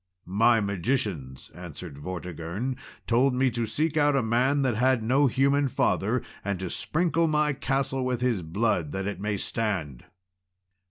"My magicians," answered Vortigern, "told me to seek out a man that had no human father, and to sprinkle my castle with his blood, that it may stand."